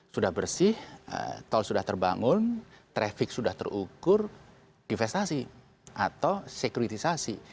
sudah bersih tol sudah terbangun traffic sudah terukur divestasi atau sekuritisasi